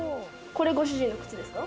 これご主人の靴ですか？